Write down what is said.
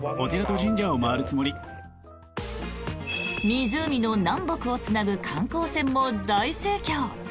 湖の南北をつなぐ観光船も大盛況。